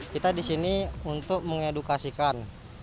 kita di sini untuk mengedukasikan